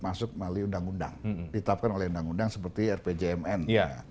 masuk melalui undang undang ditetapkan oleh undang undang seperti rpjmn